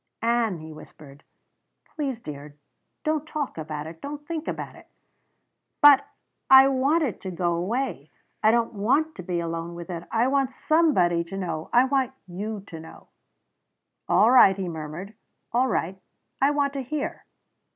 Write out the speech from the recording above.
"Ann," he whispered. "Please, dear don't talk about it don't think about it!" "But I want it to go away! I don't want to be alone with it. I want somebody to know. I want you to know." "All right," he murmured. "All right. I want to hear."